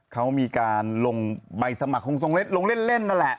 เขามีการลงใบสมัครคงทรงลงเล่นนั่นแหละ